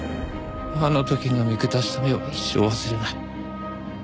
あの時の見下した目を一生忘れない。